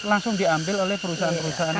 lulus langsung diambil oleh perusahaan perusahaan ini